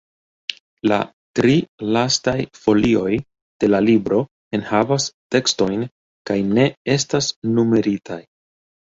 La tri lastaj folioj de la libro enhavas tekstojn kaj ne estas numeritaj.